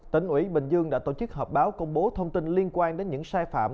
tỉnh ủy bình dương đã tổ chức họp báo công bố thông tin liên quan đến những sai phạm